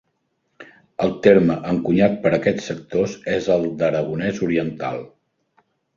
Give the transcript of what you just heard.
El terme encunyat per aquests sectors és el d'aragonès oriental.